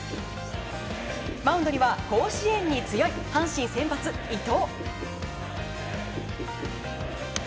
マウンドには、甲子園に強い阪神先発、伊藤。